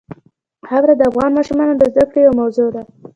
خاوره د افغان ماشومانو د زده کړې یوه موضوع ده.